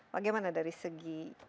bagaimana dari segi